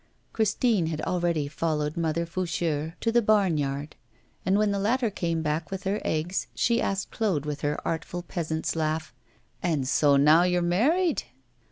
Christine had already followed mother Faucheur to the barn yard, and when the latter came back with her eggs, she asked Claude with her artful peasant's laugh: 'And so now you're married?